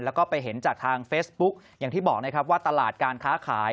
แล้วก็ไปเห็นจากทางเฟซบุ๊กอย่างที่บอกนะครับว่าตลาดการค้าขาย